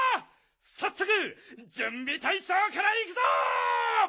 さっそくじゅんびたいそうからいくぞ！